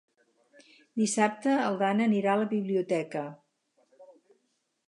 Dissabte en Dan anirà a la biblioteca.